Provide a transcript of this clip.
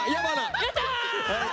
やった！